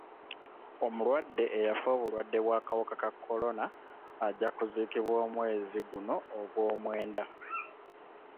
Omulwadde eyafa obulwadde bw'akawuka ka kolona ajja kuziikibwa omwezi guno ogwomwenda